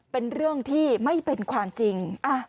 เป็นเรื่องที่ไม่เป็นความจริง